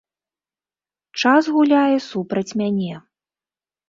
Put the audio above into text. Час гуляе супраць мяне.